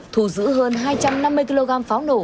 thù giữ hơn hai trăm năm mươi kg pháo nổ